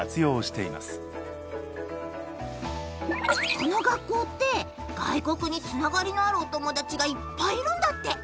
この学校って外国につながりのあるお友達がいっぱいいるんだって！